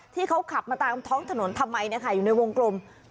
ที่เขาขับมาตามท้องถนนทำไมอยู่ในวงกลม